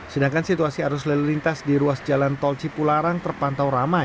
sedangkan situasi arus lalu lintas di ruas jalan tol cipularang terpantau ramai